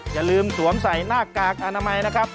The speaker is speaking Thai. อย่าลืมสวมใส่หน้ากากอนามัยนะครับ